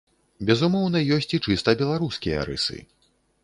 Безумоўна ёсць і чыста беларускія рысы.